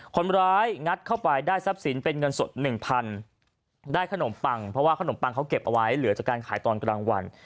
งัดเข้าไปได้ทรัพย์สินเป็นเงินสดหนึ่งพันได้ขนมปังเพราะว่าขนมปังเขาเก็บเอาไว้เหลือจากการขายตอนกลางวัน